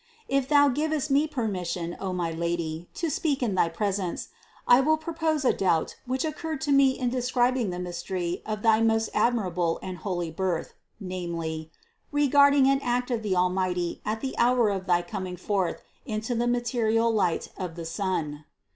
If Thou givest me permission, O my Lady, to speak in thy presence, I will propose a doubt which oc curred to me in describing the mystery of thy most ad mirable and holy birth, namely : regarding an act of the Almighty at the hour of thy coming forth into the ma terial light of the sun.